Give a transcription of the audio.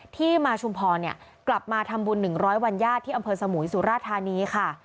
ที่มาชุมพรกลับมาทำบุญ๑๐๐วันญาติที่อำเภอสมุยสุราธานีค่ะ